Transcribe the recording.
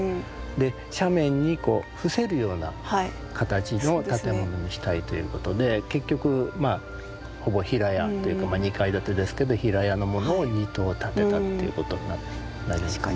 で斜面に伏せるような形の建物にしたいということで結局ほぼ平屋というか２階建てですけど平屋のものを２棟建てたっていうことになりますね。